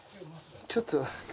ちょっと。